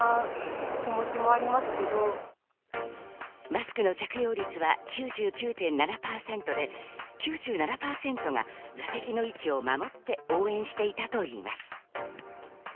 マスクの着用率が９９．７％で、９７％が座席の位置を守って応援していたといいます。